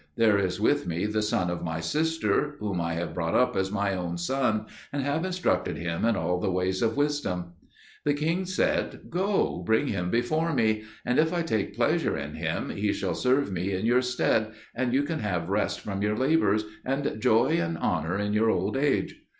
There is with me the son of my sister, whom I have brought up as my own son, and have instructed him in all the ways of wisdom." The king said, "Go, bring him before me, and if I take pleasure in him, he shall serve me in your stead, and you can have rest from your labours, and joy and honour in your old age."